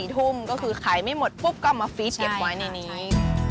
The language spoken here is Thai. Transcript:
ทุ่มก็คือขายไม่หมดปุ๊บก็เอามาฟีดเก็บไว้ในนี้